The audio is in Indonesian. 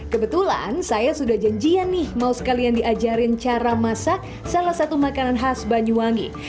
kebetulan saya sudah janjian nih mau sekalian diajarin cara masak salah satu makanan khas banyuwangi